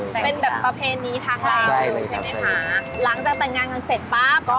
ก็กลับมาใช้ชีวิตคู่ที่กรุงเทพฯ